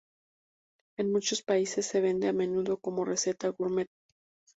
En muchos países se vende a menudo como receta "gourmet".